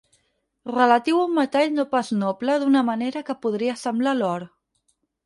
Relatiu a un metall no pas noble d'una manera que podria semblar l'or.